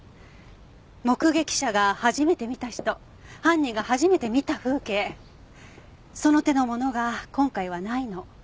目撃者が初めて見た人犯人が初めて見た風景その手のものが今回はないの。